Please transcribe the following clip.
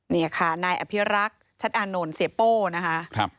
นี่ค่ะนายอภิรักษ์ชัดอานนท์เสียโป้นะคะ